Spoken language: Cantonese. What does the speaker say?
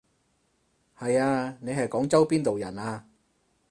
係啊，你係廣州邊度人啊？